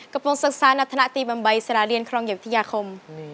กระโปรงศักดิ์ศาสตร์นัฐนาตรีบำบัยสระเรียนครองเหยียบที่๓คม